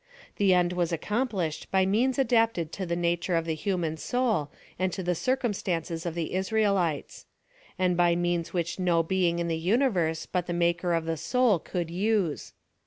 The end was accomplish ed by means adapted to the nature of the human soul and to the circumstances of the Israelites ; and by means which no being in the Universe but the Maker of the soul could use.